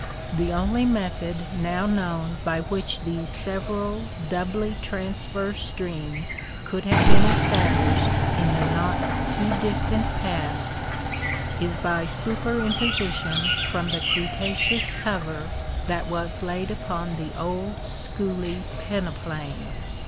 The only method now known by which these several doubly transverse streams could have been established in the not too distant past, is by superimposition from the Cretaceous cover that was laid upon the old Schooley peneplain.